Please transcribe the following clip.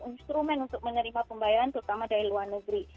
instrumen untuk menerima pembayaran terutama dari luar negeri